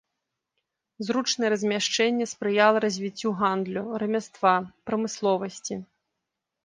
Зручнае размяшчэнне спрыяла развіццю гандлю, рамяства, прамысловасці.